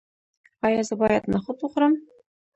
ایا زه باید نخود وخورم؟